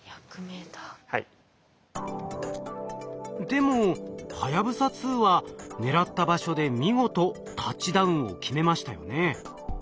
でもはやぶさ２は狙った場所で見事タッチダウンを決めましたよね。